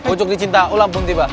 ucuk dicinta ulang belum tiba